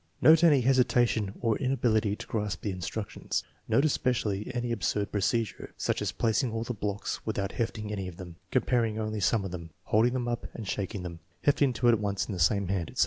Note any hesitation or in ability to grasp the instructions. Note especially any ab surd procedure, such as placing all the blocks without hefting any of them, comparing only some of them, hold ing them up and shaking them, hefting two at once in the same hand, etc.